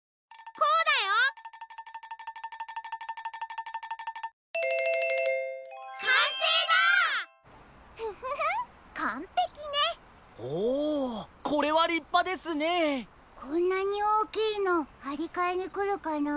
こんなにおおきいのはりかえにくるかなあ。